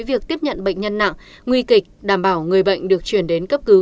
việc tiếp nhận bệnh nhân nặng nguy kịch đảm bảo người bệnh được chuyển đến cấp cứu